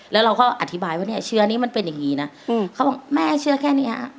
แล้วเราก็อธิบายว่าเนี่ยเชื้อนี้มันเป็นอย่างนี้นะเขาบอกแม่เชื่อแค่เนี้ย